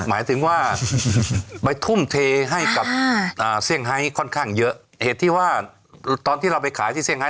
หมายถึงว่าไปทุ่มเทให้กับเซี่ยงไฮค่อนข้างเยอะเหตุที่ว่าตอนที่เราไปขายที่เซี่ไท